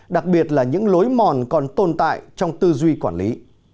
đặc biệt là những lối mòn còn tồn tại trong tư duy quản lý